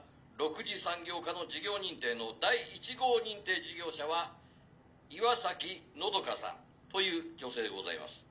６次産業化の事業認定の第１号認定事業者は岩崎和佳さんという女性でございます。